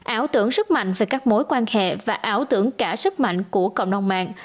ảo tưởng rất mạnh về các mối quan hệ và ảo tưởng cả sức mạnh của cộng đồng mạng